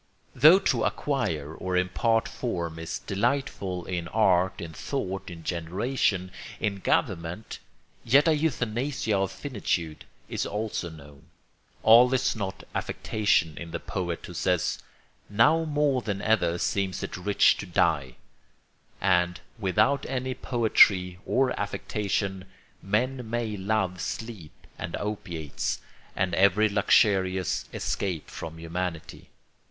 Though to acquire or impart form is delightful in art, in thought, in generation, in government, yet a euthanasia of finitude is also known. All is not affectation in the poet who says, "Now more than ever seems it rich to die"; and, without any poetry or affectation, men may love sleep, and opiates, and every luxurious escape from humanity.